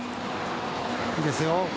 いいですよ。